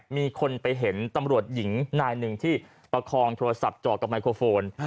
มีคนไปเห็นตำรวจหญิงนายหนึ่งที่ประคองโทรศัพท์เจาะกับไมโครโฟน